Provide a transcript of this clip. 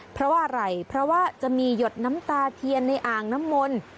เพราะว่าอะไรเพราะว่าจะมีหยดน้ำตาเทียนในอ่างน้ำมนต์